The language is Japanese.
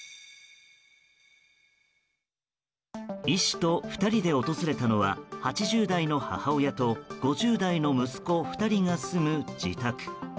医師と２人で訪れたのは８０代の母親と５０代の息子２人が住む自宅。